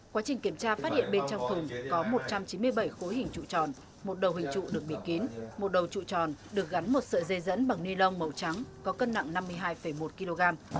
quá trình kiểm tra phát hiện bên trong thùng có một trăm chín mươi bảy khối hình trụ tròn một đầu hình trụ được bị kín một đầu trụ tròn được gắn một sợi dây dẫn bằng ni lông màu trắng có cân nặng năm mươi hai một kg